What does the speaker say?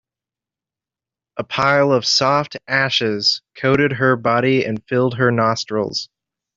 A pile of soft ashes coated her body and filled her nostrils.